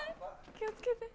気を付けて。